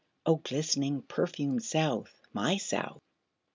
O glistening, perfumed South! My South!